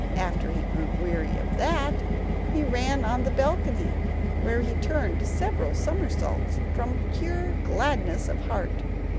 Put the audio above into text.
After he grew weary of that, he ran on the balcony, where he turned several somersaults, from pure gladness of heart.